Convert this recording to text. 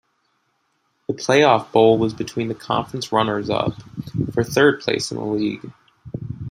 The Playoff Bowl was between the conference runners-up, for third place in the league.